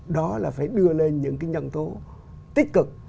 đó là phải đưa lên những cái nhân tố tích cực